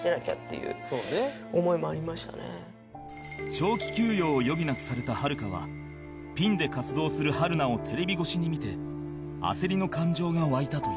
長期休養を余儀なくされたはるかはピンで活動する春菜をテレビ越しに見て焦りの感情が湧いたという